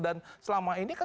dan selama ini kan